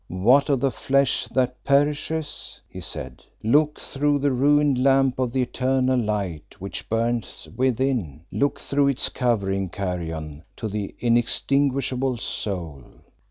What of the flesh that perishes?" he said. "Look through the ruined lamp to the eternal light which burns within. Look through its covering carrion to the inextinguishable soul."